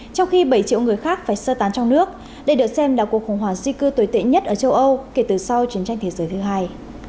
trong khi bảy triệu người khác phải sơ tán trong nước đây được xem là cuộc khủng hoảng di cư tồi tệ nhất ở châu âu kể từ sau chiến tranh thế giới thứ hai